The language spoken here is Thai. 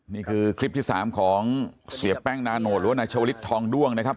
นี่คือคลิปที่๓ของเสียแป้งนาโนตหรือว่านายชาวลิศทองด้วงนะครับ